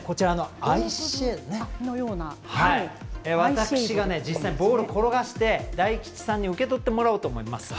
私が実際にボールを転がして大吉さんに受け取ってもらおうと思います。